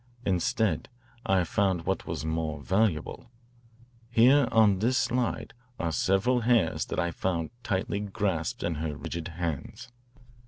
Instead, I found what was more valuable. Here on this slide are several hairs that I found tightly grasped in her rigid hands."